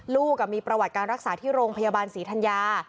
ลูกมีประวัติการรักษาที่โรงพยาบาลศรีธัญญา